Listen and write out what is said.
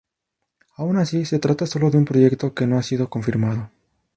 Aun así, se trata sólo de un proyecto que no ha sido confirmado.